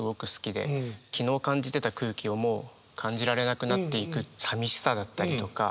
昨日感じてた空気をもう感じられなくなっていく寂しさだったりとか。